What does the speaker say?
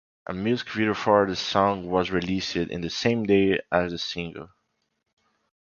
A music video for the song was released the same day as the single.